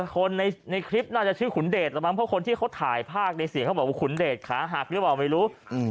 คนในคลิปน่าจะชื่อขุนเดชแล้วมั้งเพราะคนที่เขาถ่ายภาพในเสียงเขาบอกว่าขุนเดชขาหักหรือเปล่าไม่รู้